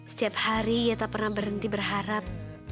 setiap hari ia tak pernah berhenti berharap